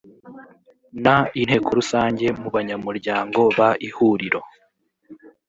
n inteko rusange mu banyamuryango b ihuriro